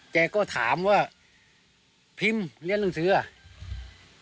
แกก็ถามว่าพิมพ์เรียนหนังสืออ่ะ